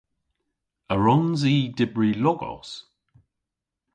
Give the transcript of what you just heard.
A wrons i dybri logos?